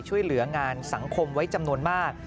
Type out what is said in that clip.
ช่วยเหลืองานสังคมไว้จำนวนมาก